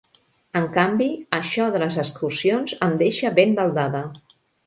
En canvi, això de les excursions em deixa ben baldada.